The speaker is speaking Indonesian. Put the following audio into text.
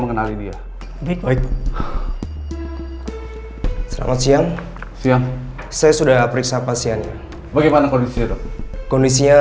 mengenali dia baik baik selamat siang saya sudah periksa pasiennya bagaimana kondisi dok kondisinya